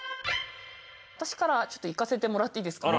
私からちょっといかせてもらっていいですか。